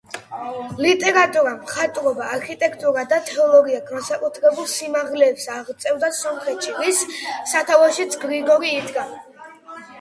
ლიტერატურა, მხატვრობა, არქიტექტურა და თეოლოგია განსაკუთრებულ სიმაღლეებს აღწევდა სომხეთში, რის სათავეშიც გრიგორი იდგა.